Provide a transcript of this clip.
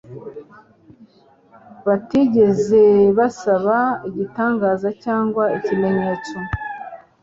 batigeze basaba igitangaza cyangwa ikimenyetso.